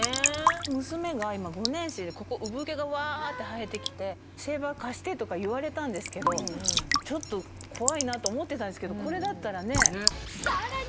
娘が今５年生でここ産毛がわって生えてきて「シェーバー貸して」とか言われたんですけどちょっと怖いなと思ってたんですけどこれだったらね。